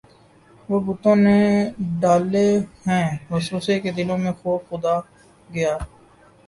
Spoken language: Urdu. وہ بتوں نے ڈالے ہیں وسوسے کہ دلوں سے خوف خدا گیا